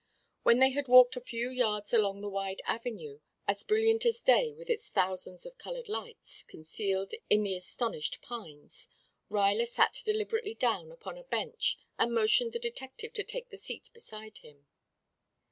When they had walked a few yards along the wide avenue, as brilliant as day with its thousands of colored lights concealed in the astonished pines, Ruyler sat deliberately down upon a bench and motioned the detective to take the seat beside him.